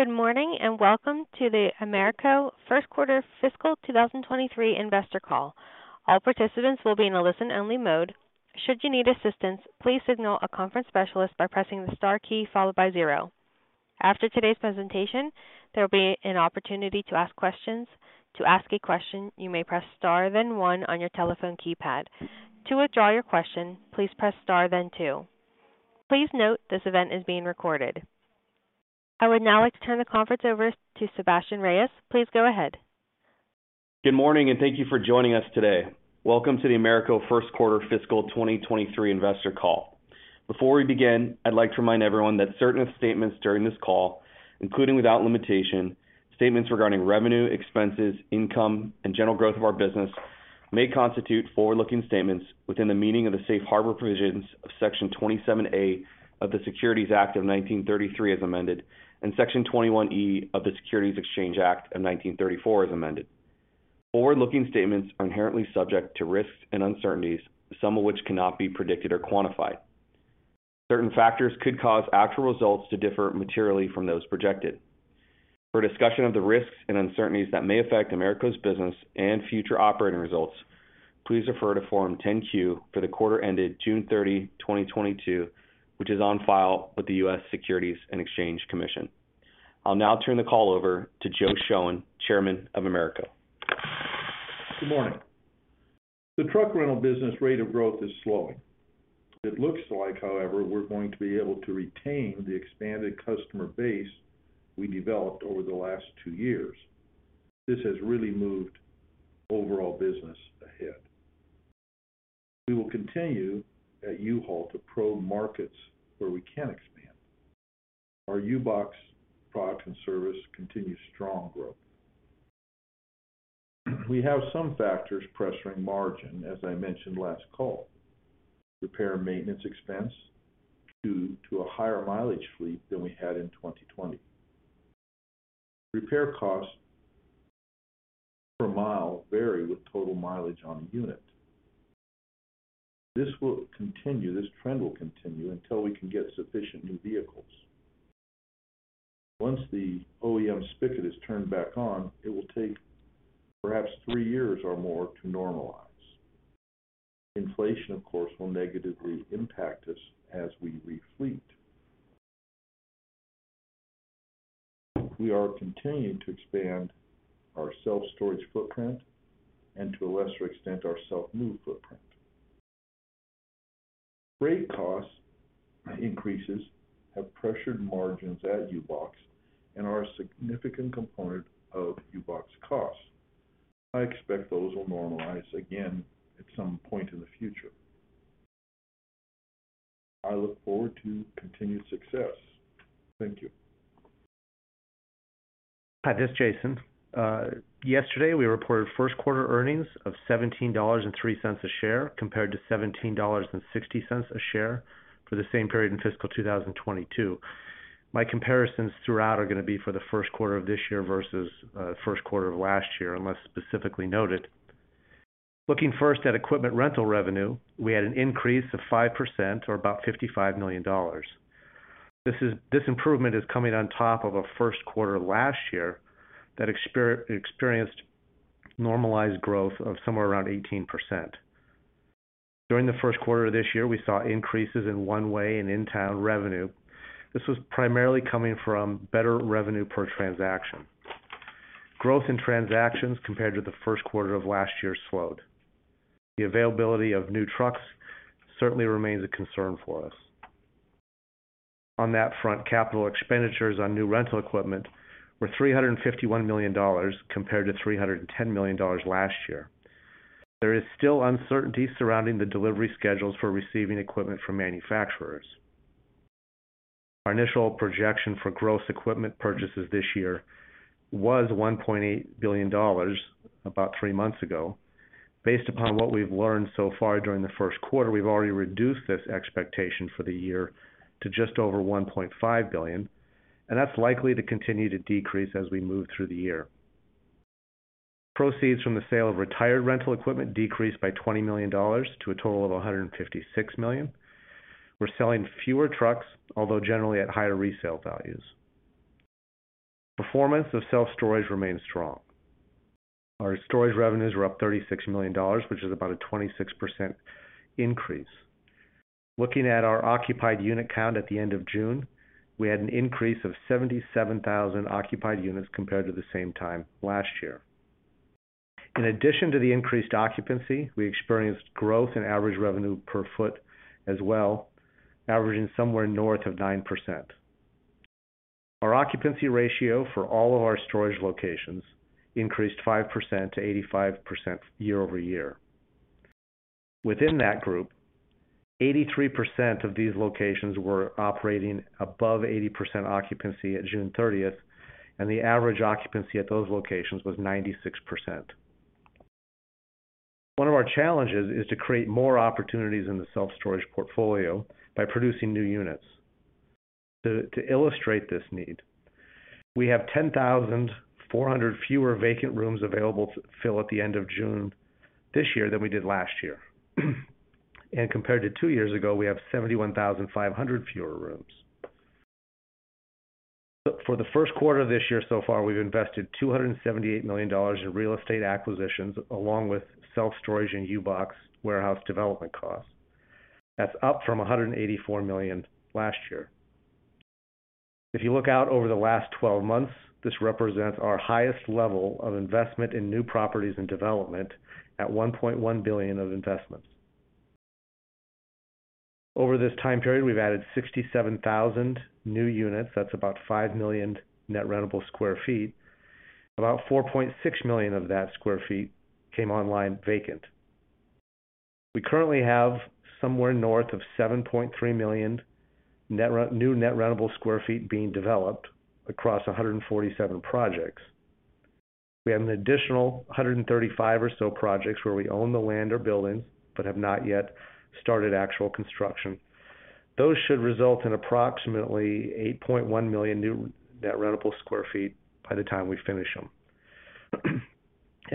Good morning, and welcome to the AMERCO first quarter fiscal 2023 investor call. All participants will be in a listen-only mode. Should you need assistance, please signal a conference specialist by pressing the star key followed by zero. After today's presentation, there will be an opportunity to ask questions. To ask a question, you may press star then one on your telephone keypad. To withdraw your question, please press star then two. Please note this event is being recorded. I would now like to turn the conference over to Sebastien Reyes. Please go ahead. Good morning, and thank you for joining us today. Welcome to the AMERCO first quarter fiscal 2023 investor call. Before we begin, I'd like to remind everyone that certain statements during this call, including without limitation, statements regarding revenue, expenses, income, and general growth of our business, may constitute forward-looking statements within the meaning of the safe harbor provisions of Section 27A of the Securities Act of 1933 as amended, and Section 21E of the Securities Exchange Act of 1934 as amended. Forward-looking statements are inherently subject to risks and uncertainties, some of which cannot be predicted or quantified. Certain factors could cause actual results to differ materially from those projected. For a discussion of the risks and uncertainties that may affect AMERCO's business and future operating results, please refer to Form 10-Q for the quarter ended June 30, 2022, which is on file with the U.S. Securities and Exchange Commission. I'll now turn the call over to Joe Shoen, Chairman of AMERCO. Good morning. The truck rental business rate of growth is slowing. It looks like, however, we're going to be able to retain the expanded customer base we developed over the last two years. This has really moved overall business ahead. We will continue at U-Haul to probe markets where we can expand. Our U-Box product and service continues strong growth. We have some factors pressuring margin, as I mentioned last call. Repair and maintenance expense due to a higher mileage fleet than we had in 2020. Repair costs per mile vary with total mileage on a unit. This trend will continue until we can get sufficient new vehicles. Once the OEM spigot is turned back on, it will take perhaps three years or more to normalize. Inflation, of course, will negatively impact us as we refleet. We are continuing to expand our self-storage footprint and to a lesser extent, our self-move footprint. Freight cost increases have pressured margins at U-Box and are a significant component of U-Box costs. I expect those will normalize again at some point in the future. I look forward to continued success. Thank you. Hi, this is Jason. Yesterday, we reported first quarter earnings of $17.03 a share, compared to $17.60 a share for the same period in fiscal 2022. My comparisons throughout are going to be for the first quarter of this year versus first quarter of last year, unless specifically noted. Looking first at equipment rental revenue, we had an increase of 5% or about $55 million. This improvement is coming on top of a first quarter last year that experienced normalized growth of somewhere around 18%. During the first quarter of this year, we saw increases in one-way and in-town revenue. This was primarily coming from better revenue per transaction. Growth in transactions compared to the first quarter of last year slowed. The availability of new trucks certainly remains a concern for us. On that front, capital expenditures on new rental equipment were $351 million compared to $310 million last year. There is still uncertainty surrounding the delivery schedules for receiving equipment from manufacturers. Our initial projection for gross equipment purchases this year was $1.8 billion about three months ago. Based upon what we've learned so far during the first quarter, we've already reduced this expectation for the year to just over $1.5 billion, and that's likely to continue to decrease as we move through the year. Proceeds from the sale of retired rental equipment decreased by $20 million to a total of $156 million. We're selling fewer trucks, although generally at higher resale values. Performance of self-storage remains strong. Our storage revenues were up $36 million, which is about a 26% increase. Looking at our occupied unit count at the end of June, we had an increase of 77,000 occupied units compared to the same time last year. In addition to the increased occupancy, we experienced growth in average revenue per foot as well, averaging somewhere north of 9%. Our occupancy ratio for all of our storage locations increased 5% to 85% year-over-year. Within that group, 83% of these locations were operating above 80% occupancy at June 30th, and the average occupancy at those locations was 96%. One of our challenges is to create more opportunities in the self-storage portfolio by producing new units. To illustrate this need, we have 10,400 fewer vacant rooms available to fill at the end of June this year than we did last year. Compared to two years ago, we have 71,500 fewer rooms. For the first quarter of this year, so far, we've invested $278 million in real estate acquisitions, along with self-storage and U-Box warehouse development costs. That's up from $184 million last year. If you look out over the last 12 months, this represents our highest level of investment in new properties and development at $1.1 billion of investments. Over this time period, we've added 67,000 new units, that's about 5 million net rentable sq ft. About 4.6 million of that sq ft came online vacant. We currently have somewhere north of 7.3 million new net rentable sq ft being developed across 147 projects. We have an additional 135 or so projects where we own the land or building but have not yet started actual construction. Those should result in approximately 8.1 million new net rentable sq ft by the time we finish them.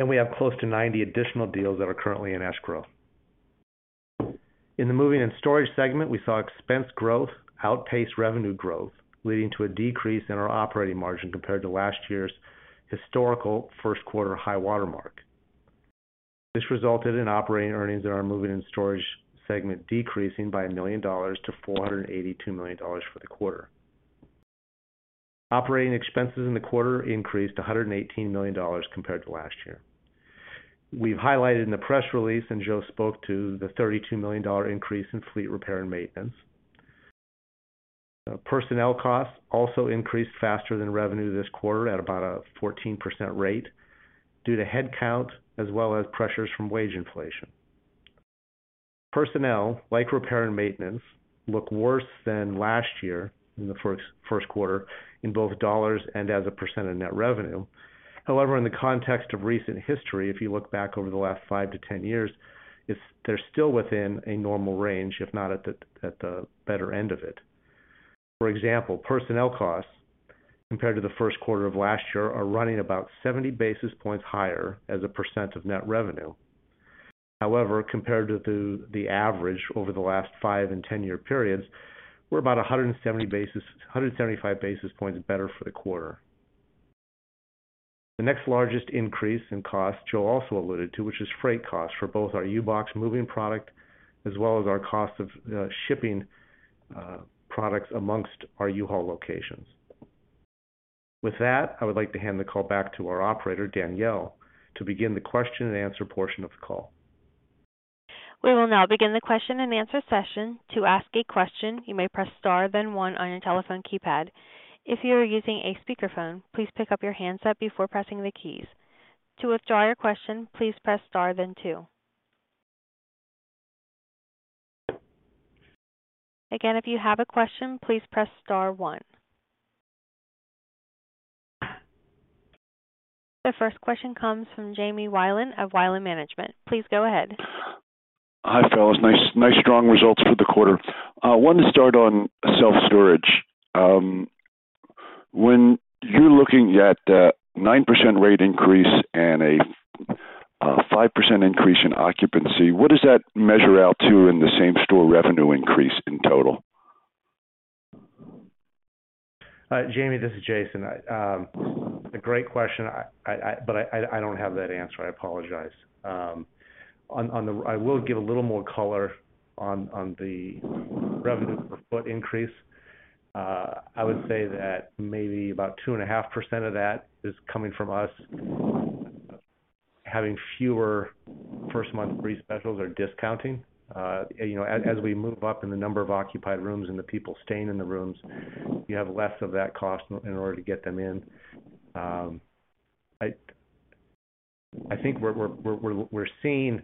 We have close to 90 additional deals that are currently in escrow. In the moving and storage segment, we saw expense growth outpace revenue growth, leading to a decrease in our operating margin compared to last year's historical first quarter high watermark. This resulted in operating earnings in our moving and storage segment decreasing by $1 million to $482 million for the quarter. Operating expenses in the quarter increased $118 million compared to last year. We've highlighted in the press release, and Joe spoke to the $32 million increase in fleet repair and maintenance. Personnel costs also increased faster than revenue this quarter at about a 14% rate due to headcount as well as pressures from wage inflation. Personnel, like repair and maintenance, look worse than last year in the first quarter in both dollars and as a percent of net revenue. However, in the context of recent history, if you look back over the last five to 10 years, they're still within a normal range, if not at the better end of it. For example, personnel costs, compared to the first quarter of last year, are running about 70 basis points higher as a percent of net revenue. However, compared to the average over the last five- and ten-year periods, we're about 175 basis points better for the quarter. The next largest increase in cost, Joe also alluded to, which is freight costs for both our U-Box moving product as well as our cost of shipping products amongst our U-Haul locations. With that, I would like to hand the call back to our operator, Danielle, to begin the question and answer portion of the call. We will now begin the question and answer session. To ask a question, you may press star, then one on your telephone keypad. If you are using a speakerphone, please pick up your handset before pressing the keys. To withdraw your question, please press star then two. Again, if you have a question, please press star one. The first question comes from Jamie Wilen of Wilen Management. Please go ahead. Hi, fellas. Nice strong results for the quarter. Wanted to start on self-storage. When you're looking at a 9% rate increase and a 5% increase in occupancy, what does that measure out to in the same-store revenue increase in total? Jamie, this is Jason. A great question. I don't have that answer. I apologize. I will give a little more color on the revenue per foot increase. I would say that maybe about 2.5% of that is coming from us having fewer first month free specials or discounting. You know, as we move up in the number of occupied rooms and the people staying in the rooms, you have less of that cost in order to get them in. I think we're seeing.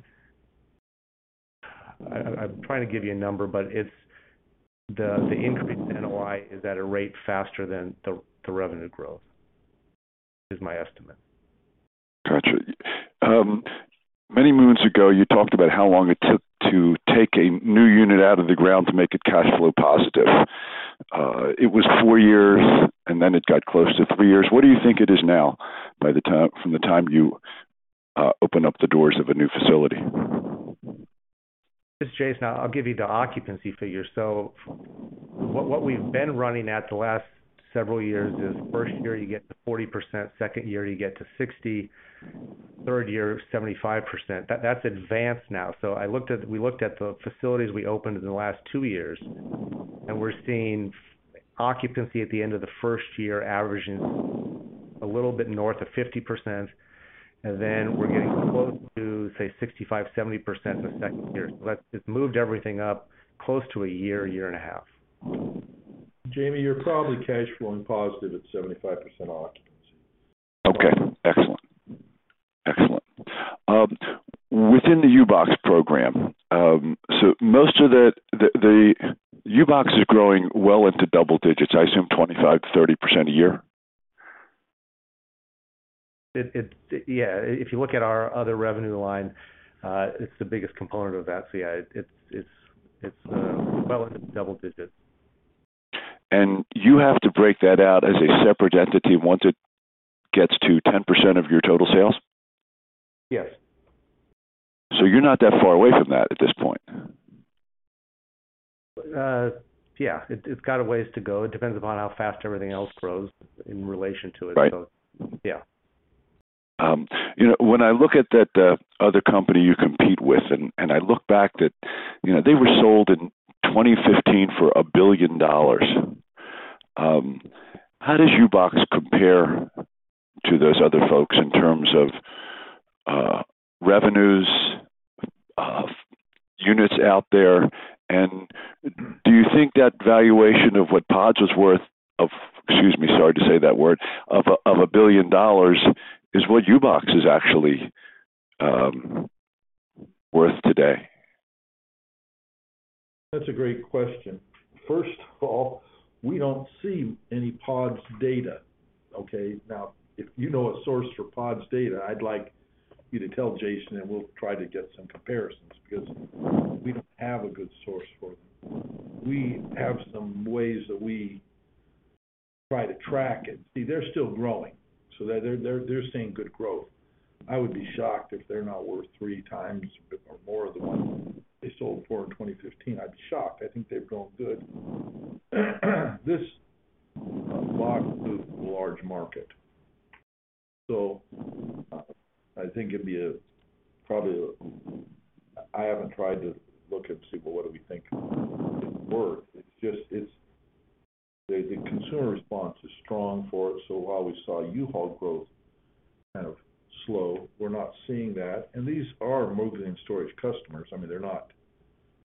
I'm trying to give you a number, but the increase in NOI is at a rate faster than the revenue growth, is my estimate. Got you. Many moons ago, you talked about how long it took to take a new unit out of the ground to make it cash flow positive. It was four years, and then it got close to three years. What do you think it is now from the time you open up the doors of a new facility? This is Jason. I'll give you the occupancy figures. What we've been running at the last several years is first year you get to 40%, second year you get to 60%, third year, 75%. That's advanced now. We looked at the facilities we opened in the last two years, and we're seeing occupancy at the end of the first year averaging a little bit north of 50%. Then we're getting close to, say, 65%-70% the second year. It's moved everything up close to a year and a half. Jamie, you're probably cash flowing positive at 75% occupancy. Excellent. Within the U-Box program, most of the U-Box is growing well into double digits, I assume 25%-30% a year. Yeah. If you look at our other revenue line, it's the biggest component of that. Yeah, it's well into double digits. You have to break that out as a separate entity once it gets to 10% of your total sales? Yes. You're not that far away from that at this point. Yeah. It's got a ways to go. It depends upon how fast everything else grows in relation to it. Right. Yeah. You know, when I look at that other company you compete with and I look back that, you know, they were sold in 2015 for $1 billion. How does U-Box compare to those other folks in terms of revenues, of units out there, and do you think that valuation of what PODS was worth of, excuse me, sorry to say that word, of $1 billion is what U-Box is actually worth today? That's a great question. First of all, we don't see any PODS data, okay? Now, if you know a source for PODS data, I'd like you to tell Jason, and we'll try to get some comparisons because we don't have a good source for them. We have some ways that we try to track it. See, they're still growing, so they're seeing good growth. I would be shocked if they're not worth three times or more than what they sold for in 2015. I'd be shocked. I think they've grown good. This is a large market. I think it'd be a probably, I haven't tried to look and see, well, what do we think it's worth. It's just, it's the consumer response is strong for it. While we saw U-Haul growth kind of slow, we're not seeing that. These are moving and storage customers. I mean, they're not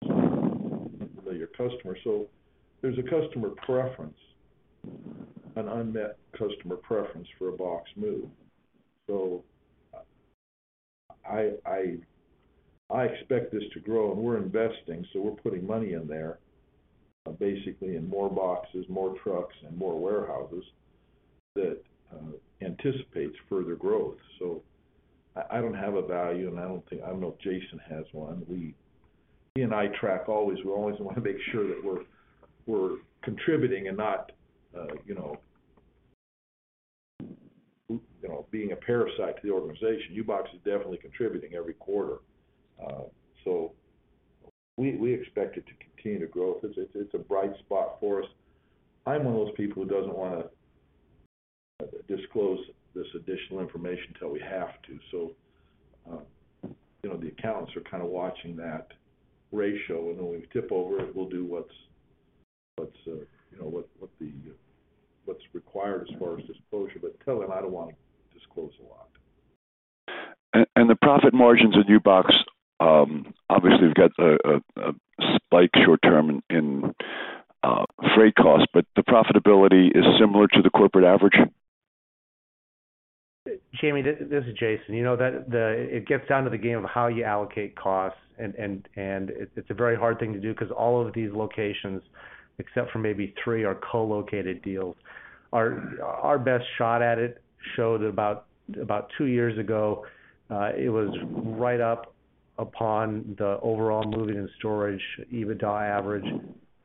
your customer. There's a customer preference, an unmet customer preference for a box move. I expect this to grow, and we're investing, so we're putting money in there, basically in more boxes, more trucks, and more warehouses that anticipates further growth. I don't have a value, and I don't think I don't know if Jason has one. He and I track always. We always want to make sure that we're contributing and not being a parasite to the organization. U-Box is definitely contributing every quarter. We expect it to continue to grow. It's a bright spot for us. I'm one of those people who doesn't want to disclose this additional information till we have to. You know, the accountants are kind of watching that ratio, and when we tip over, we'll do what's required as far as disclosure. But till then, I don't want to disclose a lot. The profit margins at U-Box, obviously, we've got a spike short term in freight costs, but the profitability is similar to the corporate average. Jamie, this is Jason. You know that it gets down to the game of how you allocate costs and it's a very hard thing to do because all of these locations, except for maybe three, are co-located deals. Our best shot at it showed about two years ago, it was right up upon the overall moving and storage EBITDA average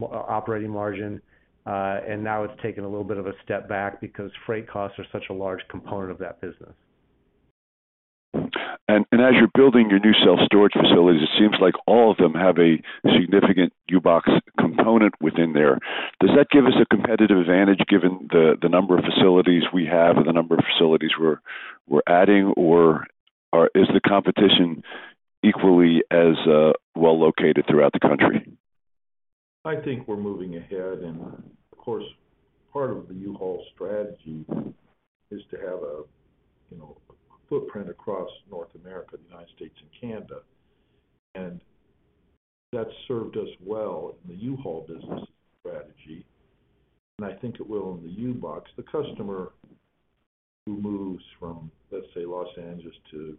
operating margin. Now it's taken a little bit of a step back because freight costs are such a large component of that business. As you're building your new self-storage facilities, it seems like all of them have a significant U-Box component within there. Does that give us a competitive advantage given the number of facilities we have or the number of facilities we're adding? Or is the competition equally as well-located throughout the country? I think we're moving ahead. Of course, part of the U-Haul strategy is to have a, you know, a footprint across North America, the United States and Canada. That's served us well in the U-Haul business strategy, and I think it will in the U-Box. The customer who moves from, let's say, Los Angeles to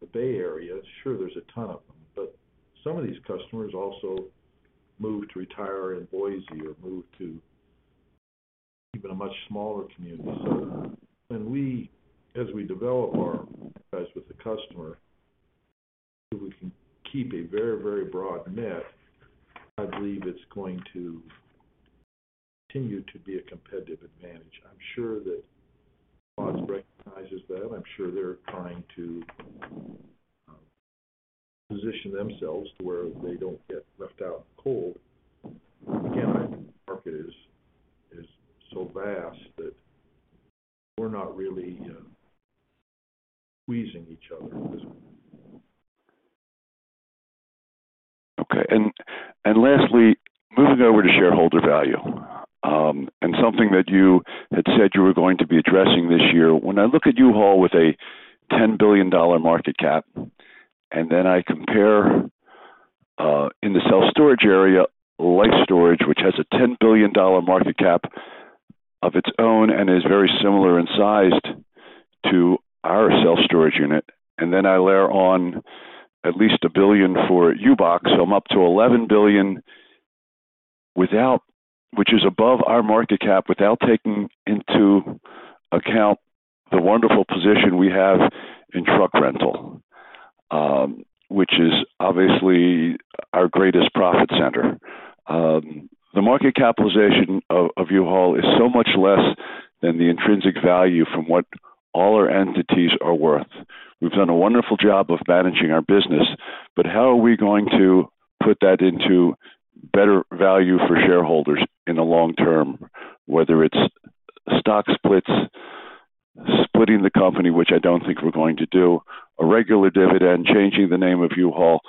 the Bay Area, sure, there's a ton of them, but some of these customers also move to retire in Boise or move to even a much smaller community. When we, as we develop our ties with the customer, if we can keep a very, very broad net, I believe it's going to continue to be a competitive advantage. I'm sure that PODS recognizes that. I'm sure they're trying to position themselves to where they don't get left out in the cold. Again, I think the market is so vast that we're not really squeezing each other. Okay. Lastly, moving over to shareholder value, and something that you had said you were going to be addressing this year. When I look at U-Haul with a $10 billion market cap, and then I compare, in the self-storage area, Life Storage, which has a $10 billion market cap of its own and is very similar in size to our self-storage unit, then, I layer on at least $1 billion for U-Box, so I'm up to $11 billion, which is above our market cap without taking into account the wonderful position we have in truck rental, which is obviously our greatest profit center. The market capitalization of U-Haul is so much less than the intrinsic value from what all our entities are worth. We've done a wonderful job of managing our business, but how are we going to put that into better value for shareholders in the long term? Whether it's stock splits, splitting the company, which I don't think we're going to do, a regular dividend, changing the name of U-Haul.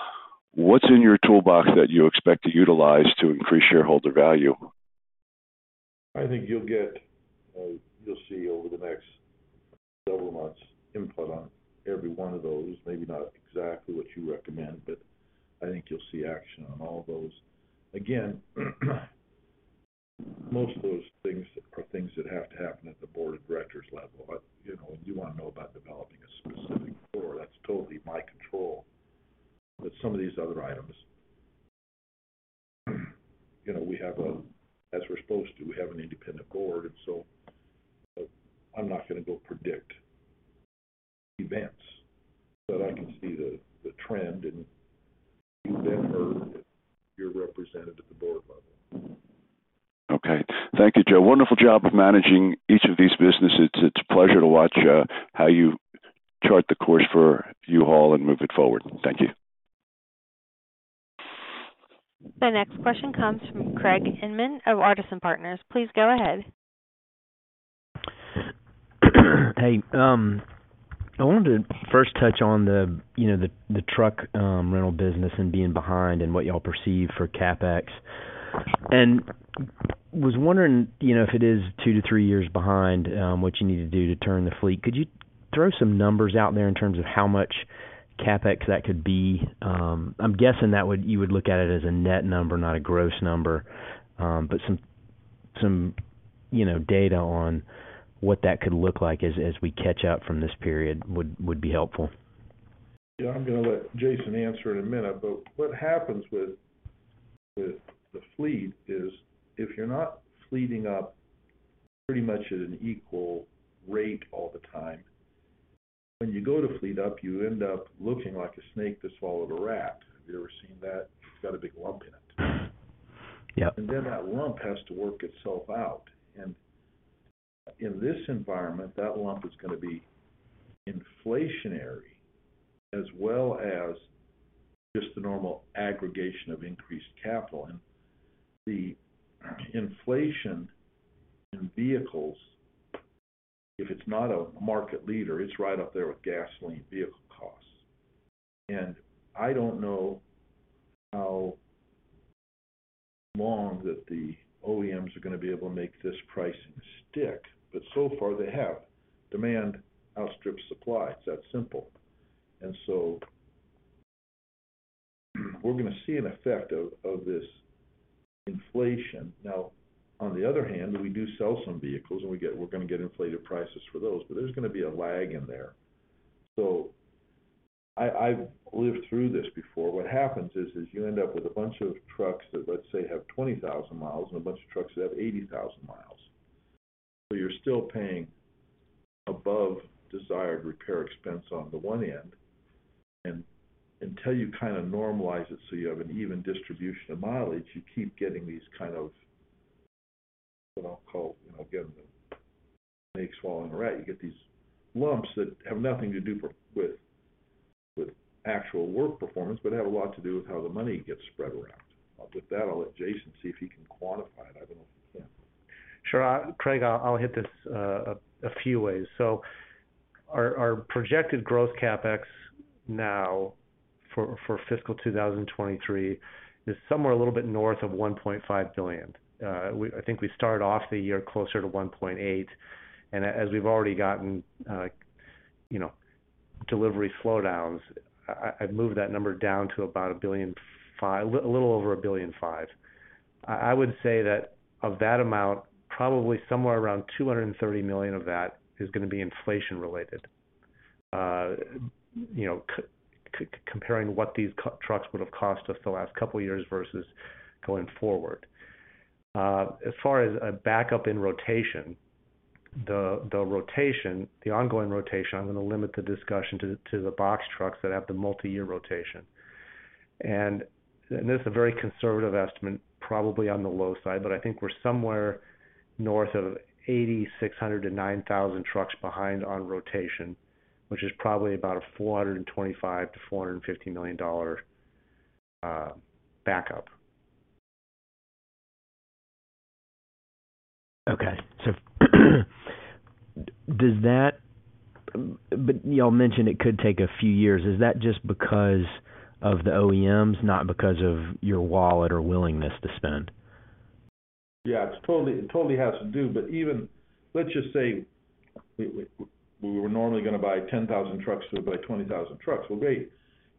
What's in your toolbox that you expect to utilize to increase shareholder value? I think you'll see over the next several months input on every one of those. Maybe not exactly what you recommend, but I think you'll see action on all of those. Again, most of those things are things that have to happen at the Board of Directors level. You know, you want to know about developing a specific quarter, that's totally my control. Some of these other items, you know, as we're supposed to, we have an independent board, and so I'm not going to go predict events. I can see the trend, and you've represented at the board level. Okay. Thank you, Joe. Wonderful job of managing each of these businesses. It's a pleasure to watch how you chart the course for U-Haul and move it forward. Thank you. The next question comes from Craig Inman of Artisan Partners. Please go ahead. Hey, I wanted to first touch on the you know the truck rental business and being behind and what y'all perceive for CapEx. Was wondering, you know, if it is two to three years behind, what you need to do to turn the fleet, could you throw some numbers out there in terms of how much CapEx that could be? I'm guessing that would you would look at it as a net number, not a gross number. Some, you know, data on what that could look like as we catch up from this period would be helpful. Yeah. I'm gonna let Jason answer in a minute. What happens with the fleet is if you're not fleeting up pretty much at an equal rate all the time, when you go to fleet up, you end up looking like a snake that swallowed a rat. Have you ever seen that? It's got a big lump in it. Yep. That lump has to work itself out. In this environment, that lump is gonna be inflationary as well as just the normal aggregation of increased capital. The inflation in vehicles, if it's not a market leader, it's right up there with gasoline vehicle costs. I don't know how long that the OEMs are gonna be able to make this pricing stick, but so far they have. Demand outstrips supply. It's that simple. We're gonna see an effect of this inflation. Now, on the other hand, we do sell some vehicles, and we're gonna get inflated prices for those, but there's gonna be a lag in there. I've lived through this before. What happens is you end up with a bunch of trucks that, let's say, have 20,000 mi and a bunch of trucks that have 80,000 mi, so you're still paying above desired repair expense on the one end. Until you kinda normalize it so you have an even distribution of mileage, you keep getting these kind of what I'll call, you know, again, the snake swallowing a rat. You get these lumps that have nothing to do with actual work performance, but have a lot to do with how the money gets spread around. With that, I'll let Jason see if he can quantify it. I don't know if he can. Craig, I'll hit this a few ways. Our projected growth CapEx now for fiscal 2023 is somewhere a little bit north of $1.5 billion. I think we started off the year closer to $1.8 billion. As we've already gotten, you know, delivery slowdowns, I've moved that number down to about $1.5 billion, a little over $1.5 billion. I would say that of that amount, probably somewhere around $230 million of that is gonna be inflation-related, you know, comparing what these trucks would have cost us the last couple of years versus going forward. As far as a backup in rotation, the ongoing rotation, I'm gonna limit the discussion to the box trucks that have the multi-year rotation. This is a very conservative estimate, probably on the low side, but I think we're somewhere north of 8,600-9,000 trucks behind on rotation, which is probably about a $425 million-$450 million backup. Y'all mentioned it could take a few years. Is that just because of the OEMs, not because of your wallet or willingness to spend? Yeah, it totally has to do. Even, let's just say we were normally gonna buy 10,000 trucks, we'll buy 20,000 trucks. Well, great.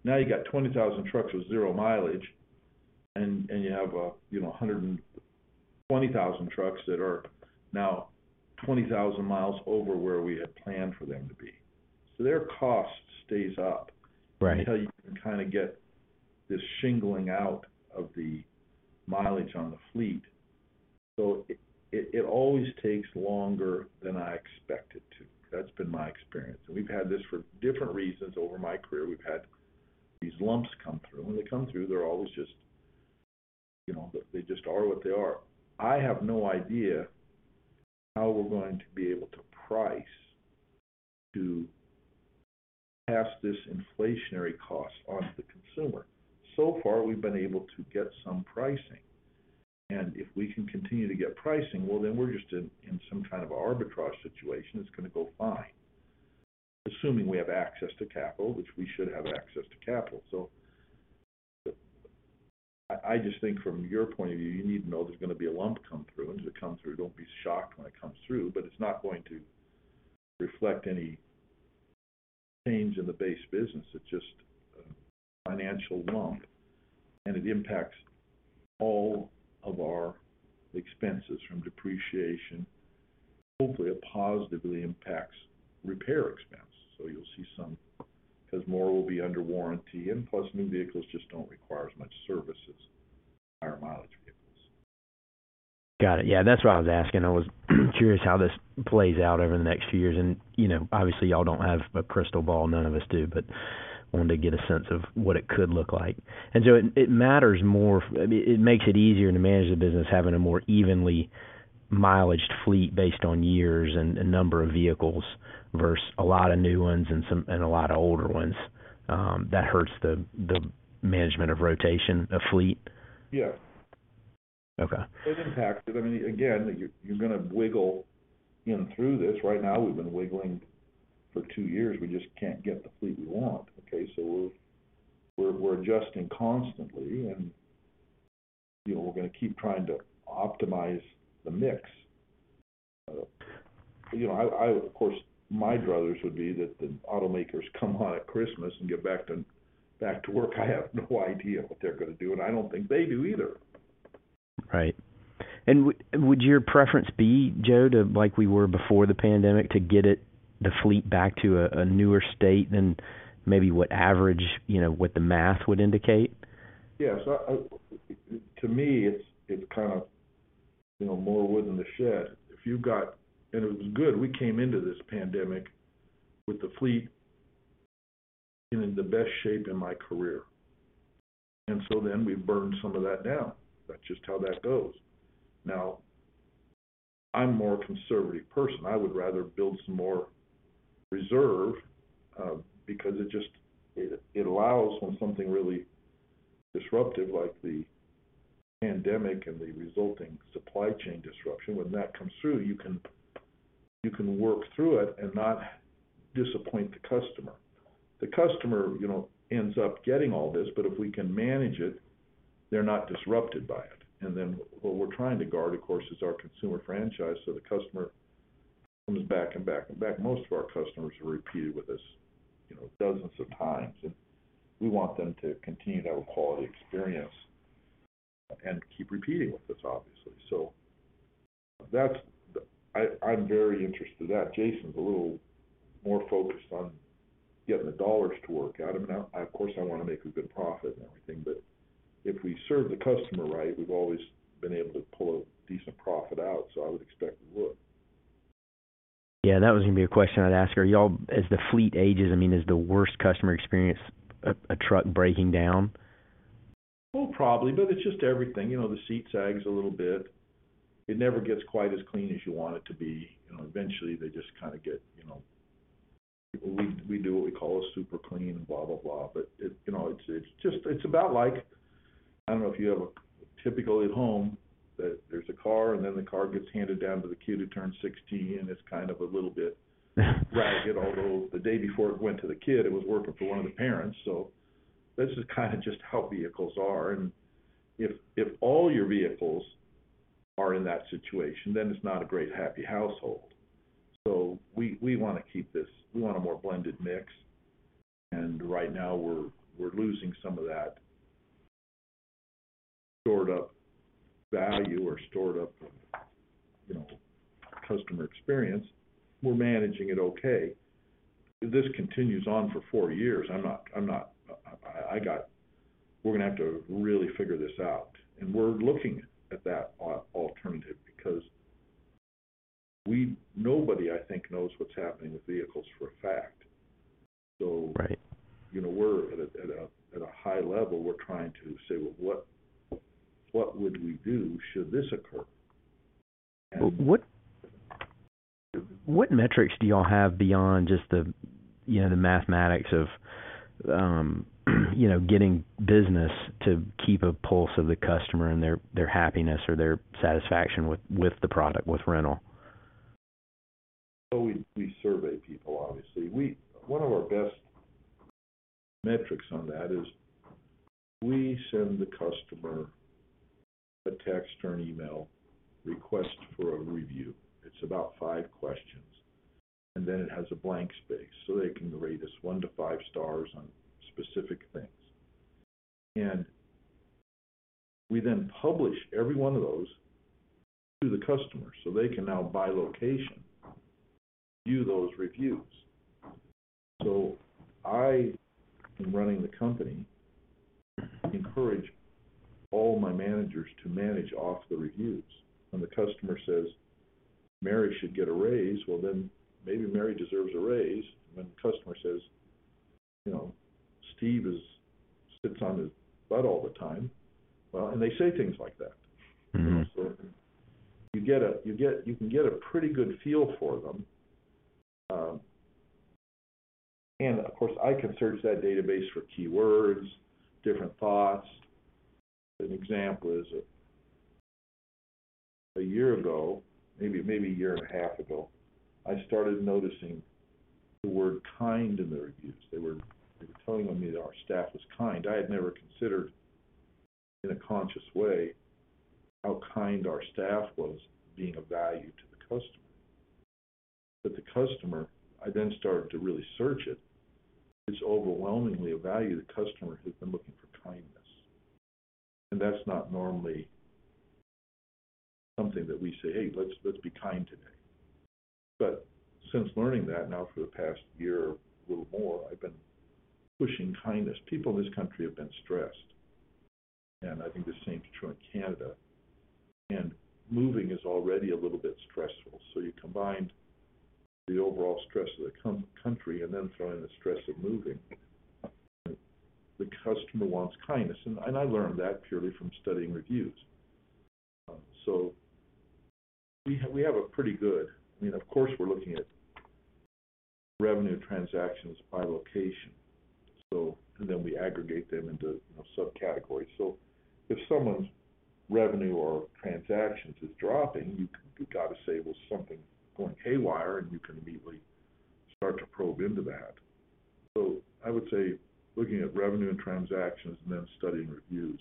Now you got 20,000 trucks with 0 mileage, and you have, you know, 120,000 trucks that are now 20,000 mi over where we had planned for them to be. So their cost stays up. Right. Until you can kinda get this shingling out of the mileage on the fleet. So it always takes longer than I expect it to. That's been my experience. We've had this for different reasons over my career. We've had these lumps come through, and when they come through, they're always just, you know, they just are what they are. I have no idea how we're going to be able to price to pass this inflationary cost onto the consumer. So far, we've been able to get some pricing, and if we can continue to get pricing, well, then we're just in some kind of arbitrage situation. It's gonna go fine. Assuming we have access to capital, which we should have access to capital. I just think from your point of view, you need to know there's gonna be a lump come through, and as it comes through, don't be shocked when it comes through. But it's not going to reflect any change in the base business. It's just a financial lump, and it impacts all of our expenses from depreciation. Hopefully, it positively impacts repair expense. You'll see some, 'cause more will be under warranty, and plus new vehicles just don't require as much service as higher mileage vehicles. Got it. Yeah, that's what I was asking. I was curious how this plays out over the next few years and, you know, obviously, y'all don't have a crystal ball, none of us do, but wanted to get a sense of what it could look like. It matters more. I mean, it makes it easier to manage the business having a more evenly aged fleet based on years and number of vehicles versus a lot of new ones and a lot of older ones that hurts the management of rotation of fleet. Yeah. Okay. It impacts it. I mean, again, you're gonna wiggle in through this. Right now, we've been wiggling for two years. We just can't get the fleet we want, okay? We're adjusting constantly, and you know, we're gonna keep trying to optimize the mix. You know, I of course, my druthers would be that the automakers come on at Christmas and get back to work. I have no idea what they're gonna do, and I don't think they do either. Right. Would your preference be, Joe, to like we were before the pandemic, to get it, the fleet back to a newer state than maybe what average, you know, what the math would indicate? Yeah. To me, it's kind of, you know, more wood than the shed. It was good. We came into this pandemic with the fleet in the best shape in my career, and so then we've burned some of that down. That's just how that goes. Now, I'm more a conservative person. I would rather build some more reserve, because it just allows when something really disruptive like the pandemic and the resulting supply chain disruption, when that comes through, you can work through it and not disappoint the customer. The customer, you know, ends up getting all this, but if we can manage it, they're not disrupted by it. What we're trying to guard, of course, is our consumer franchise, so the customer comes back and back and back. Most of our customers repeat with us, you know, dozens of times, and we want them to continue to have a quality experience and keep repeating with us, obviously. That's. I'm very interested in that. Jason's a little more focused on getting the dollars to work out. I mean, of course I wanna make a good profit and everything, but if we serve the customer right, we've always been able to pull a decent profit out, so I would expect we would. Yeah, that was gonna be a question I'd ask. Are y'all, as the fleet ages, I mean, is the worst customer experience a truck breaking down? Well, probably it's just everything. You know, the seat sags a little bit. It never gets quite as clean as you want it to be. You know, eventually they just kinda get, you know. We do what we call a super clean and blah, blah. It, you know, it's just about like, I don't know if you have a typical car at home, and then the car gets handed down to the kid who turns 16, and it's kind of a little bit ragged. Although the day before it went to the kid, it was working for one of the parents. This is kinda just how vehicles are. If all your vehicles are in that situation, then it's not a great happy household. We wanna keep this. We want a more blended mix, and right now we're losing some of that stored up value or stored up, you know, customer experience. We're managing it okay. If this continues on for four years, I'm not. I got. We're gonna have to really figure this out. We're looking at that alternative because nobody, I think, knows what's happening with vehicles for a fact. Right. You know, we're at a high level, we're trying to say, "Well, what would we do should this occur?" What metrics do y'all have beyond just the, you know, the mathematics of, you know, getting business to keep a pulse of the customer and their happiness or their satisfaction with the product, with rental? We survey people, obviously. One of our best metrics on that is we send the customer a text or an email request for a review. It's about five questions, and then it has a blank space, so they can rate us one to five stars on specific things. We then publish every one of those to the customer, so they can now, by location, view those reviews. I, in running the company, encourage all my managers to manage off the reviews. When the customer says, "Mary should get a raise," well, then maybe Mary deserves a raise. When the customer says, you know, "Steve sits on his butt all the time." Well, they say things like that. Mm-hmm. You can get a pretty good feel for them. Of course, I can search that database for keywords, different thoughts. An example is a year ago, maybe a year and a half ago, I started noticing the word kind in the reviews. They were telling me that our staff was kind. I had never considered in a conscious way how kind our staff was being of value to the customer. The customer, I then started to really search it. It's overwhelmingly a value the customer has been looking for kindness. That's not normally something that we say, "Hey, let's be kind today." Since learning that now for the past year, a little more, I've been pushing kindness. People in this country have been stressed, and I think the same is true in Canada. Moving is already a little bit stressful. You combined the overall stress of the country and then throw in the stress of moving, the customer wants kindness. I learned that purely from studying reviews. We have a pretty good, I mean, of course, we're looking at revenue transactions by location. Then we aggregate them into, you know, subcategories. If someone's revenue or transactions is dropping, you've got to say, well, something's going haywire, and you can immediately start to probe into that. I would say looking at revenue and transactions and then studying reviews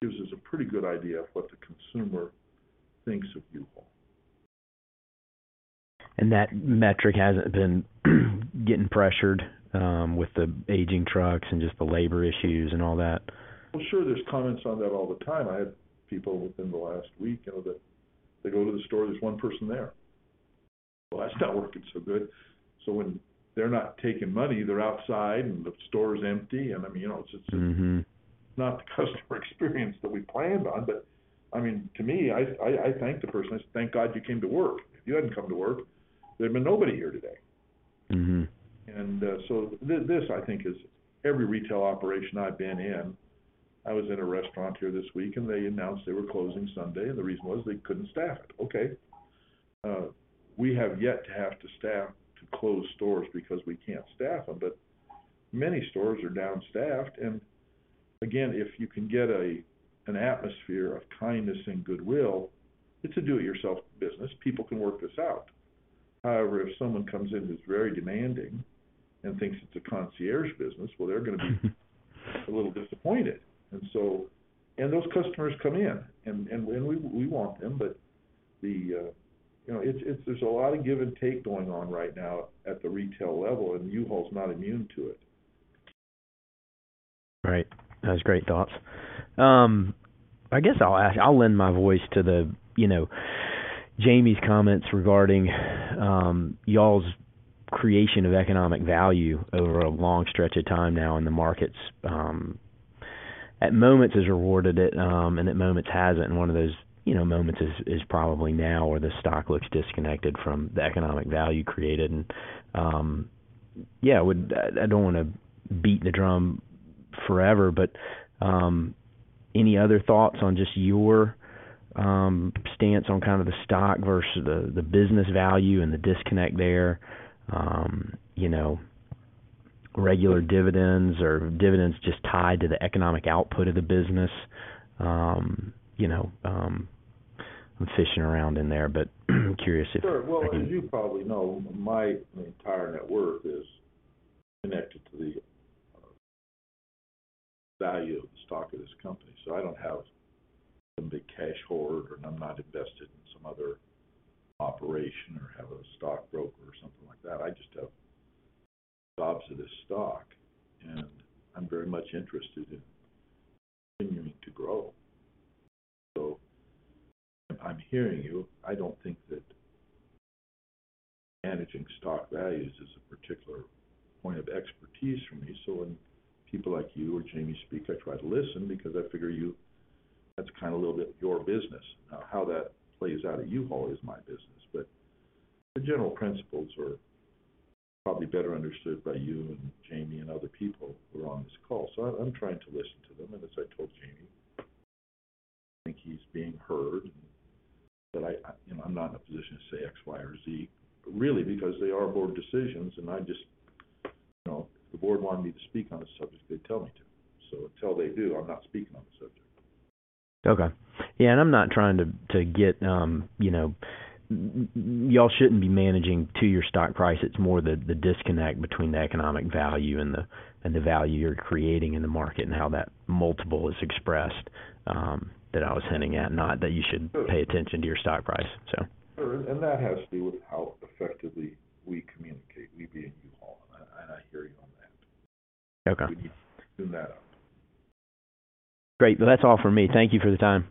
gives us a pretty good idea of what the consumer thinks of U-Haul. That metric hasn't been getting pressured, with the aging trucks and just the labor issues and all that? Well, sure. There's comments on that all the time. I had people within the last week, you know, that they go to the store, there's one person there. Well, that's not working so good. When they're not taking money, they're outside, and the store is empty. I mean, you know, it's just a. Mm-hmm. Not the customer experience that we planned on. I mean, to me, I thank the person. I thank God you came to work. If you hadn't come to work, there'd been nobody here today. Mm-hmm. This I think is every retail operation I've been in. I was in a restaurant here this week, and they announced they were closing Sunday, and the reason was they couldn't staff it. Okay. We have yet to have to close stores because we can't staff them, but many stores are down staffed. Again, if you can get an atmosphere of kindness and goodwill, it's a do-it-yourself business. People can work this out. However, if someone comes in who's very demanding and thinks it's a concierge business, well, they're gonna be a little disappointed. Those customers come in and we want them. The, you know, it's there's a lot of give and take going on right now at the retail level, and U-Haul is not immune to it. Right. That was great thoughts. I guess I'll ask. I'll lend my voice to the, you know, Jamie's comments regarding, y'all's creation of economic value over a long stretch of time now, and the markets, at moments has rewarded it, and at moments hasn't. One of those, you know, moments is probably now where the stock looks disconnected from the economic value created. Yeah, I don't wanna beat the drum forever, but, any other thoughts on just your, stance on kind of the stock versus the business value and the disconnect there, you know, regular dividends or dividends just tied to the economic output of the business? You know, I'm fishing around in there, but curious if. Sure. Well, as you probably know, my entire net worth is connected to the value of the stock of this company. I don't have some big cash hoard, or I'm not invested in some other operation, or have a stockbroker or something like that. I just have gobs of this stock, and I'm very much interested in continuing to grow. I'm hearing you. I don't think that managing stock values is a particular point of expertise for me. When people like you or Jamie speak, I try to listen because I figure you, that's kind of a little bit your business. Now, how that plays out at U-Haul is my business, but the general principles are probably better understood by you and Jamie and other people who are on this call. I'm trying to listen to them, and as I told Jamie, I think he's being heard. You know, I'm not in a position to say X, Y, or Z, really because they are board decisions. You know, if the board wanted me to speak on a subject, they'd tell me to. Until they do, I'm not speaking on the subject. Okay. Yeah. I'm not trying to get, you know. Y'all shouldn't be managing to your stock price. It's more the disconnect between the economic value and the value you're creating in the market and how that multiple is expressed, that I was hinting at, not that you should pay attention to your stock price. Sure. That has to do with how effectively we communicate, we being U-Haul, and I hear you on that. Okay. We need to tune that up. Great. Well, that's all for me. Thank you for the time.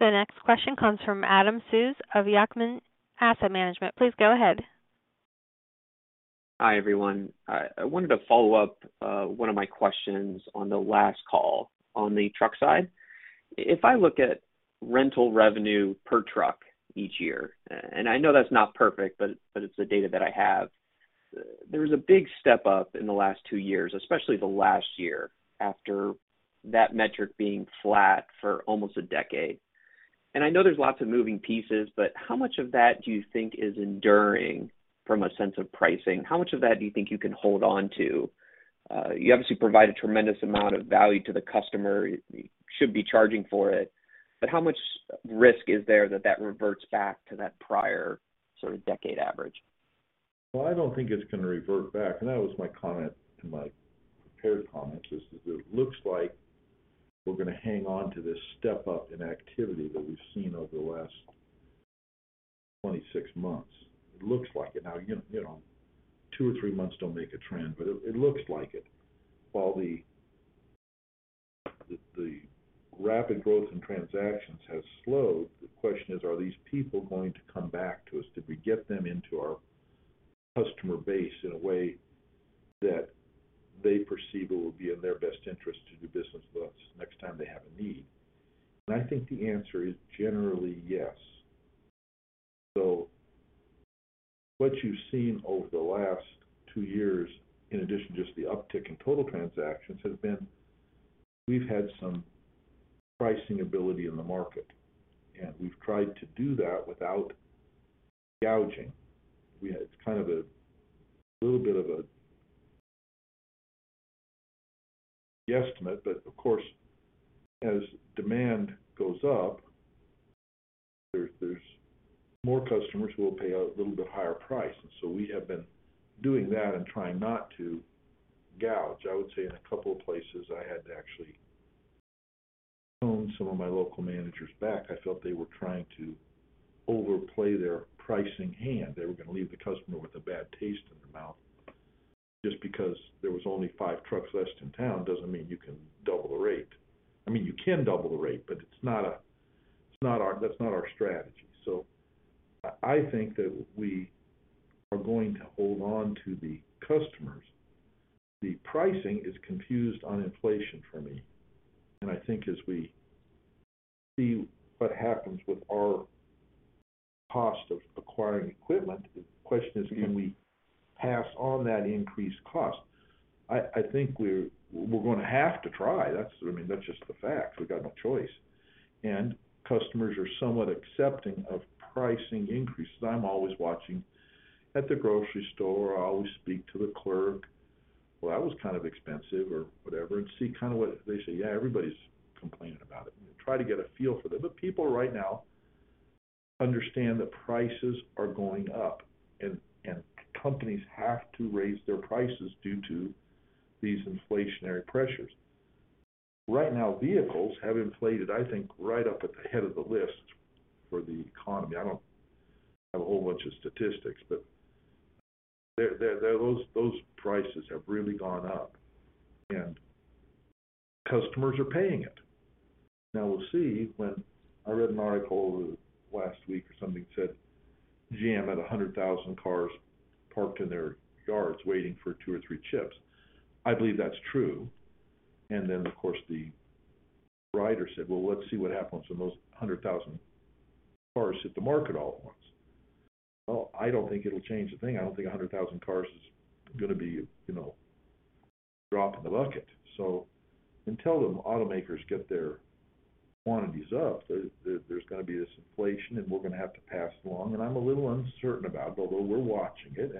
The next question comes from Adam Sues of Yacktman Asset Management. Please go ahead. Hi, everyone. I wanted to follow up one of my questions on the last call on the truck side. If I look at rental revenue per truck each year, and I know that's not perfect, but it's the data that I have. There was a big step up in the last two years, especially the last year after that metric being flat for almost a decade. I know there's lots of moving pieces, but how much of that do you think is enduring from a sense of pricing? How much of that do you think you can hold on to? You obviously provide a tremendous amount of value to the customer. You should be charging for it. How much risk is there that that reverts back to that prior sort of decade average? Well, I don't think it's gonna revert back, and that was my comment in my prepared comments, is that it looks like we're gonna hang on to this step up in activity that we've seen over the last 26 months. It looks like it. Now, you know, two or three months don't make a trend, but it looks like it. While the rapid growth in transactions has slowed, the question is, are these people going to come back to us? Did we get them into our customer base in a way that they perceive it will be in their best interest to do business with us next time they have a need? I think the answer is generally yes. What you've seen over the last two years, in addition to just the uptick in total transactions, has been we've had some pricing ability in the market, and we've tried to do that without gouging. It's kind of a little bit of a guesstimate, but of course, as demand goes up, there's more customers who will pay a little bit higher price. We have been doing that and trying not to gouge. I would say in a couple of places, I had to actually phone some of my local managers back. I felt they were trying to overplay their pricing hand. They were going to leave the customer with a bad taste in their mouth. Just because there was only five trucks left in town doesn't mean you can double the rate. I mean, you can double the rate, but that's not our strategy. I think that we are going to hold on to the customers. The pricing is confused on inflation for me. I think as we see what happens with our cost of acquiring equipment, the question is, can we pass on that increased cost? I think we're gonna have to try. I mean, that's just the fact. We got no choice. Customers are somewhat accepting of pricing increases. I'm always watching at the grocery store. I always speak to the clerk. Well, that was kind of expensive or whatever, and see kind of what they say. Yeah, everybody's complaining about it, and try to get a feel for that. People right now understand that prices are going up and companies have to raise their prices due to these inflationary pressures. Right now, vehicles have inflated, I think, right up at the head of the list for the economy. I don't have a whole bunch of statistics, but there those prices have really gone up, and customers are paying it. Now we'll see. I read an article last week or something said GM had 100,000 cars parked in their yards waiting for two or three chips. I believe that's true. Then, of course, the writer said, "Well, let's see what happens when those 100,000 cars hit the market all at once." Well, I don't think it'll change a thing. I don't think 100,000 cars is gonna be, you know, a drop in the bucket. Until the automakers get their quantities up, there's gonna be this inflation, and we're gonna have to pass it along. I'm a little uncertain about, although we're watching it.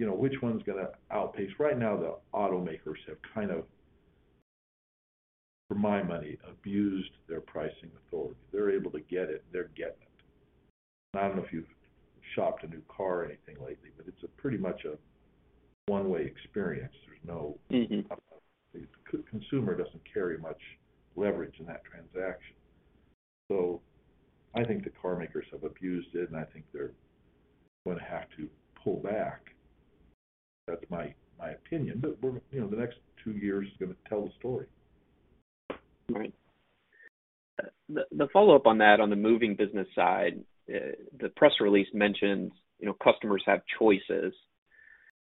You know, which one's gonna outpace. Right now, the automakers have kind of, for my money, abused their pricing authority. They're able to get it, they're getting it. I don't know if you've shopped a new car or anything lately, but it's pretty much a one-way experience. Mm-hmm. The consumer doesn't carry much leverage in that transaction. I think the car makers have abused it, and I think they're going to have to pull back. That's my opinion. You know, the next two years is gonna tell the story. Right. The follow-up on that, on the moving business side, the press release mentions, you know, customers have choices.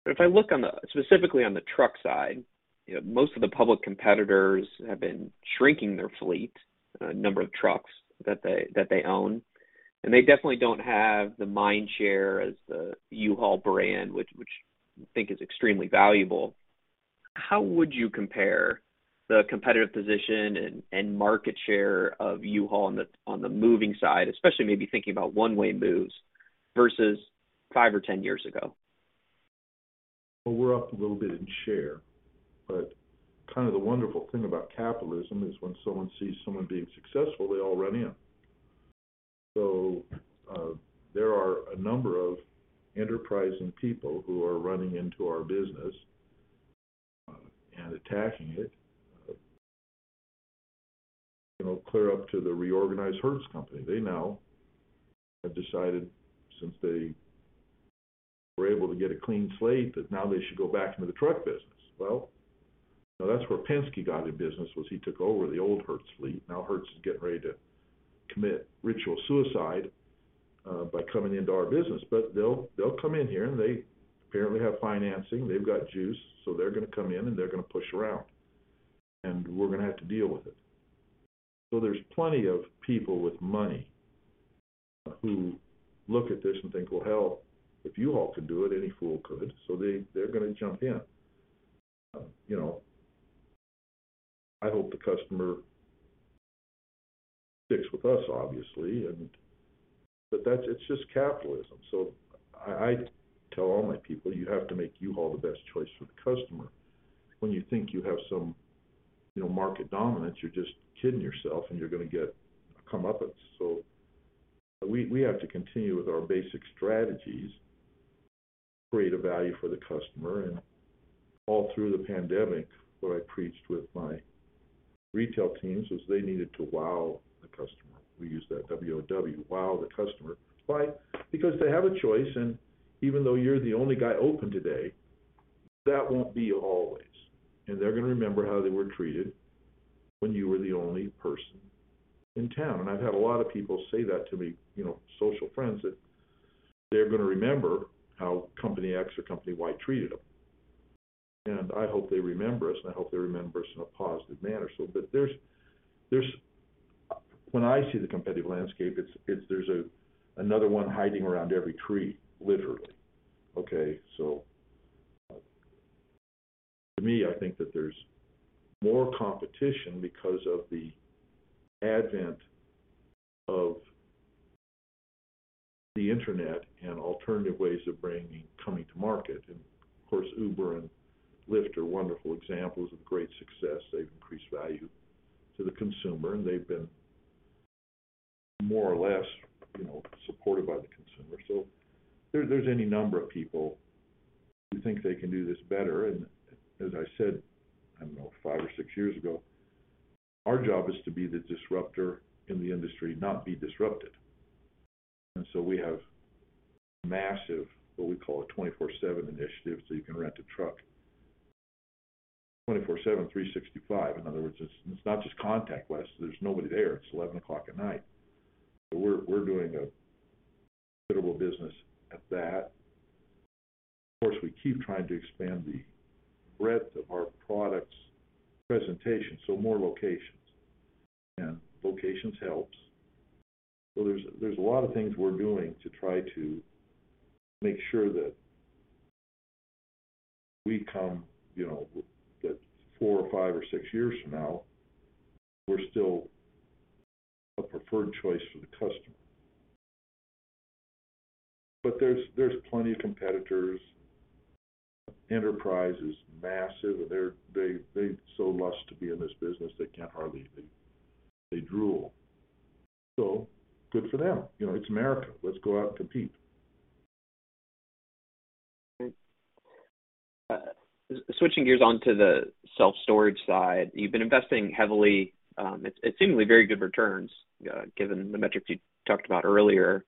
If I look specifically on the truck side, you know, most of the public competitors have been shrinking their fleet, number of trucks that they own, and they definitely don't have the mind share as the U-Haul brand, which I think is extremely valuable. How would you compare the competitive position and market share of U-Haul on the moving side, especially maybe thinking about one-way moves versus five or 10 years ago? Well, we're up a little bit in share, but kind of the wonderful thing about capitalism is when someone sees someone being successful, they all run in. There are a number of enterprising people who are running into our business, and attacking it. You know, clear up to the reorganized Hertz company. They now have decided, since they were able to get a clean slate, that now they should go back into the truck business. Well, you know, that's where Penske got in business, was he took over the old Hertz fleet. Now Hertz is getting ready to commit ritual suicide, by coming into our business. But they'll come in here, and they apparently have financing. They've got juice. They're gonna come in, and they're gonna push around, and we're gonna have to deal with it. There's plenty of people with money who look at this and think, "Well, hell, if U-Haul could do it, any fool could." They, they're gonna jump in. You know, I hope the customer sticks with us, obviously. That's just capitalism. I tell all my people, "You have to make U-Haul the best choice for the customer." When you think you have some, you know, market dominance, you're just kidding yourself, and you're gonna get a comeuppance. We have to continue with our basic strategies, create a value for the customer. All through the pandemic, what I preached with my retail teams was they needed to wow the customer. We use that W-O-W, wow the customer. Why? Because they have a choice, and even though you're the only guy open today, that won't be always. They're gonna remember how they were treated when you were the only person in town. I've had a lot of people say that to me, you know, social friends, that they're gonna remember how company X or company Y treated them. I hope they remember us, and I hope they remember us in a positive manner. But there's. When I see the competitive landscape, it's. There's a another one hiding around every tree, literally. Okay. To me, I think that there's more competition because of the advent of the internet and alternative ways of bringing, coming to market. Of course, Uber and Lyft are wonderful examples of great success. They've increased value to the consumer, and they've been more or less, you know, supported by the consumer. There's any number of people who think they can do this better. As I said, I don't know, five or six years ago, our job is to be the disruptor in the industry, not be disrupted. We have massive, what we call a 24/7 initiative, so you can rent a truck 24/7, 365. In other words, it's not just contact us. There's nobody there. It's 11:00 P.M. We're doing a considerable business at that. Of course, we keep trying to expand the breadth of our products presentation, so more locations. Locations helps. There's a lot of things we're doing to try to make sure that we come, you know, that four or five or six years from now, we're still a preferred choice for the customer. There's plenty of competitors. Enterprise is massive, and they so lust to be in this business, they can't hardly. They drool. Good for them. You know, it's America. Let's go out and compete. Great. Switching gears on to the self-storage side, you've been investing heavily at seemingly very good returns, given the metrics you talked about earlier.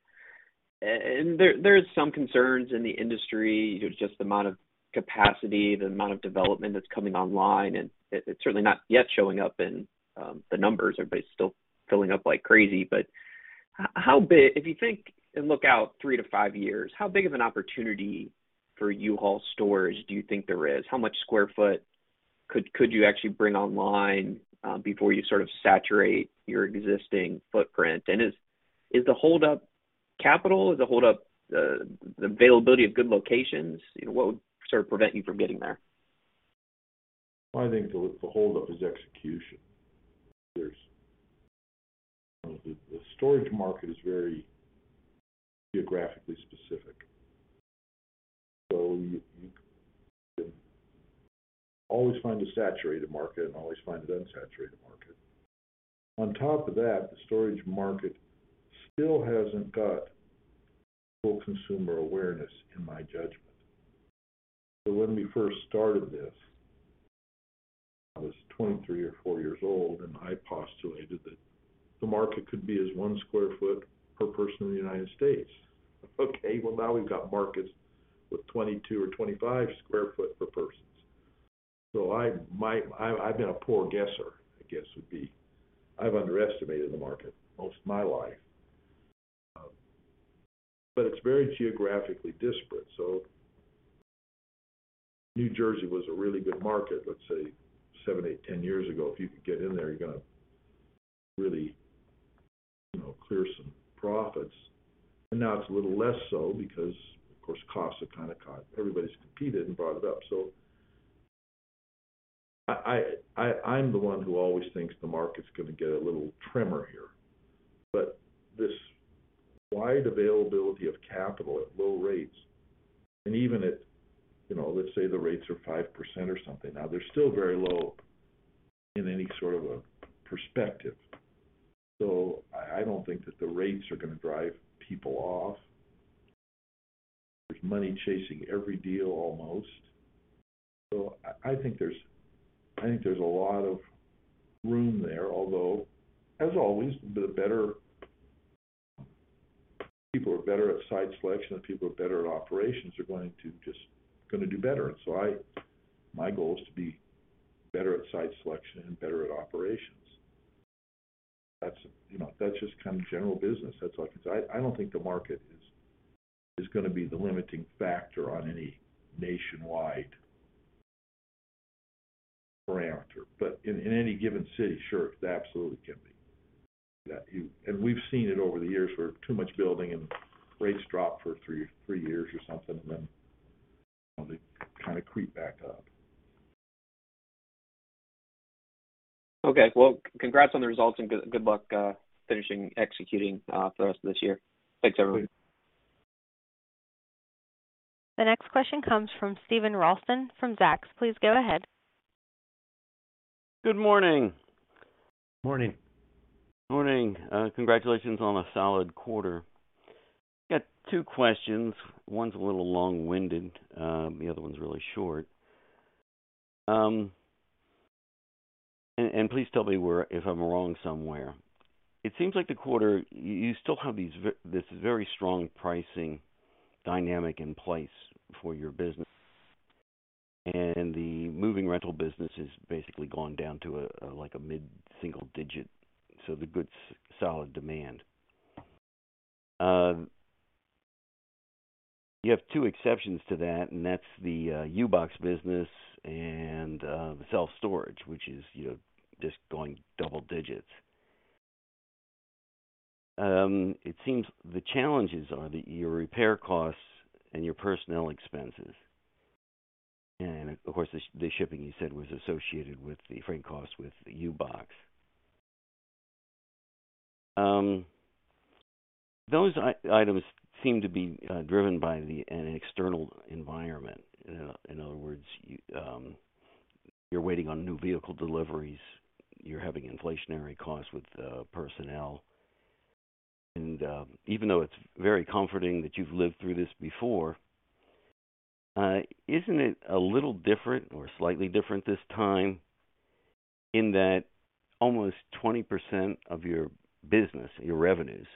There's some concerns in the industry. You know, just the amount of capacity, the amount of development that's coming online, and it's certainly not yet showing up in the numbers. Everybody's still filling up like crazy. How big. If you think and look out three to five years, how big of an opportunity for U-Haul storage do you think there is? How much square foot could you actually bring online before you sort of saturate your existing footprint? Is the holdup capital? Is the holdup the availability of good locations? You know, what would sort of prevent you from getting there? I think the holdup is execution. The storage market is very geographically specific. You can always find a saturated market and always find an unsaturated market. On top of that, the storage market still hasn't got full consumer awareness, in my judgment. When we first started this, I was 23 or 24 years old, and I postulated that the market could be as 1 sq ft per person in the United States. Okay. Well, now we've got markets with 22 sq ft or 25 sq ft per persons. I've been a poor guesser, I guess would be. I've underestimated the market most of my life. It's very geographically disparate. New Jersey was a really good market, let's say, seven, eight, 10 years ago. If you could get in there, you're gonna really clear some profits. Now it's a little less so because, of course, costs have kind of caught up. Everybody's competed and brought it up. I'm the one who always thinks the market's gonna get a little trimmer here. This wide availability of capital at low rates, and even at, you know, let's say the rates are 5% or something. Now, they're still very low in any sort of a perspective. I don't think that the rates are gonna drive people off. There's money chasing every deal almost. I think there's a lot of room there. Although, as always, the better people are better at site selection and people are better at operations are going to just do better. My goal is to be better at site selection and better at operations. That's, you know, that's just kind of general business. That's all I can say. I don't think the market is gonna be the limiting factor on any nationwide parameter. But in any given city, sure, it absolutely can be. We've seen it over the years where too much building and rates drop for three years or something, and then they kind of creep back up. Okay. Well, congrats on the results and good luck finishing executing the rest of this year. Thanks, everyone. The next question comes from Steven Ralston from Zacks. Please go ahead. Good morning. Morning. Morning. Congratulations on a solid quarter. Got two questions. One's a little long-winded, the other one's really short. Please tell me where if I'm wrong somewhere. It seems like the quarter, you still have this very strong pricing dynamic in place for your business, and the moving rental business has basically gone down to a, like a mid-single digit, so the good solid demand. You have two exceptions to that, and that's the U-Box business and the self-storage, which is, you know, just going double digits. It seems the challenges are that your repair costs and your personnel expenses, and of course, the shipping you said was associated with the freight cost with U-Box. Those items seem to be driven by an external environment. In other words, you're waiting on new vehicle deliveries, you're having inflationary costs with personnel. Even though it's very comforting that you've lived through this before, isn't it a little different or slightly different this time in that almost 20% of your business, your revenues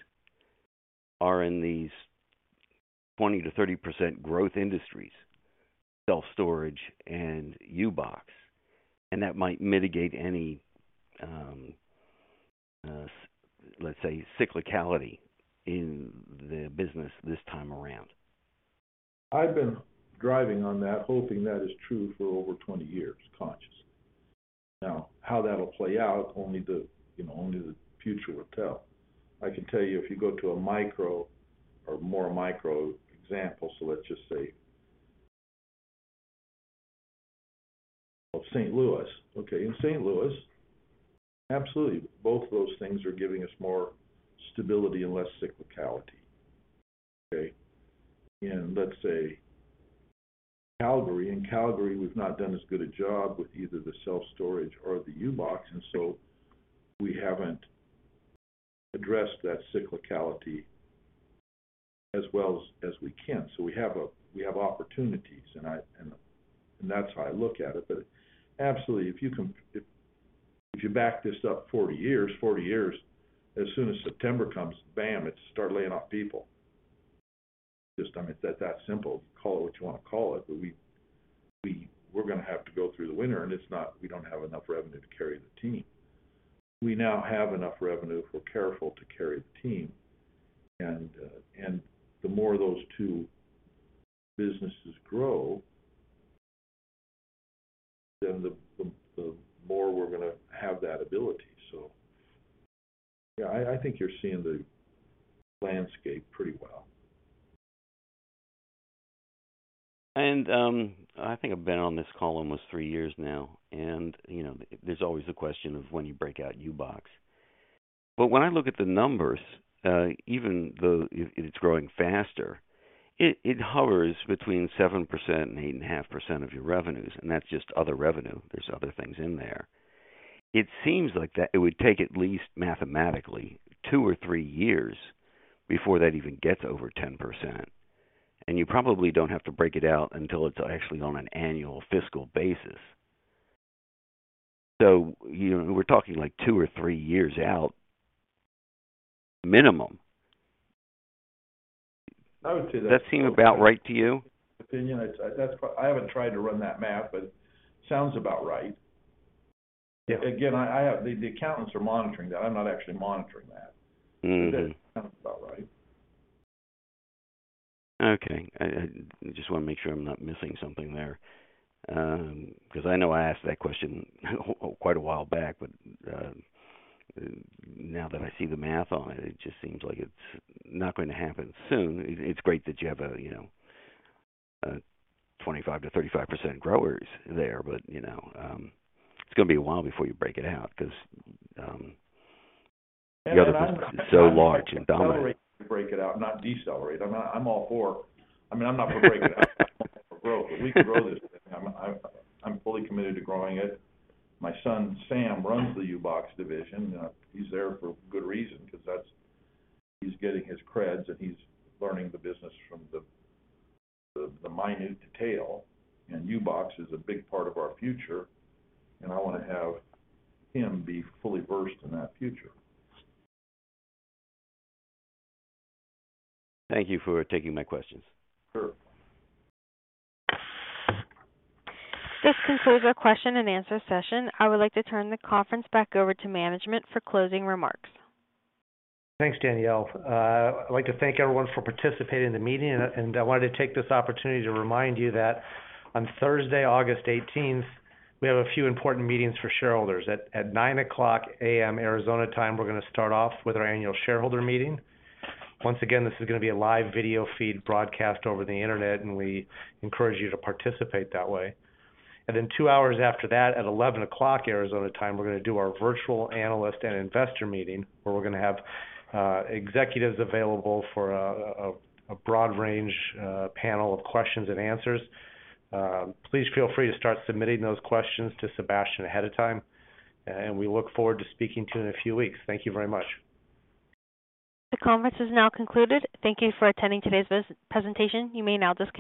are in these 20%-30% growth industries, self-storage and U-Box, and that might mitigate any, let's say, cyclicality in the business this time around. I've been driving on that, hoping that is true for over 20 years, consciously. Now, how that'll play out, only the, you know, future will tell. I can tell you, if you go to a micro or more micro example, let's just say of St. Louis. Okay, in St. Louis, absolutely, both of those things are giving us more stability and less cyclicality. Okay. In Calgary, we've not done as good a job with either the self-storage or the U-Box, and so we haven't addressed that cyclicality as well as we can. We have opportunities, and that's how I look at it. Absolutely, if you back this up 40 years, as soon as September comes, bam, it's start laying off people. Just, I mean, it's that simple. Call it what you wanna call it, but we're gonna have to go through the winter, and we don't have enough revenue to carry the team. We now have enough revenue, if we're careful, to carry the team. The more those two businesses grow, then the more we're gonna have that ability. Yeah, I think you're seeing the landscape pretty well. I think I've been on this call almost three years now, and, you know, there's always the question of when you break out U-Box. When I look at the numbers, even though it's growing faster, it hovers between 7% and 8.5% of your revenues, and that's just other revenue. There's other things in there. It seems like that it would take at least mathematically two or three years before that even gets over 10%. You probably don't have to break it out until it's actually on an annual fiscal basis. You know, we're talking like two or three years out minimum. I would say that. Does that seem about right to you? Opinion, that's quite. I haven't tried to run that math, but sounds about right. Yeah. The accountants are monitoring that. I'm not actually monitoring that. Mm-hmm. Sounds about right. Okay. I just wanna make sure I'm not missing something there. 'Cause I know I asked that question quite a while back, but now that I see the math on it just seems like it's not gonna happen soon. It's great that you have a, you know, a 25%-35% growers there, but, you know, it's gonna be a while before you break it out because the other one is so large and dominant. To break it out, not decelerate. I'm all for. I mean, I'm not for breaking it out. I'm all for growth. We can grow this. I'm fully committed to growing it. My son, Sam, runs the U-Box division. He's there for good reason. He's getting his creds, and he's learning the business from the minute detail. U-Box is a big part of our future, and I wanna have him be fully versed in that future. Thank you for taking my questions. Sure. This concludes our question and answer session. I would like to turn the conference back over to management for closing remarks. Thanks, Danielle. I'd like to thank everyone for participating in the meeting, and I wanted to take this opportunity to remind you that on Thursday, August 18th, we have a few important meetings for shareholders. At 9:00 A.M. Arizona Time, we're gonna start off with our Annual Shareholder Meeting. Once again, this is gonna be a live video feed broadcast over the internet, and we encourage you to participate that way. Then two hours after that, at 11:00 A.M. Arizona Time, we're gonna do our virtual Analyst and Investor Meeting, where we're gonna have executives available for a broad range panel of questions and answers. Please feel free to start submitting those questions to Sebastien ahead of time, and we look forward to speaking to you in a few weeks. Thank you very much. The conference is now concluded. Thank you for attending today's presentation. You may now disconnect.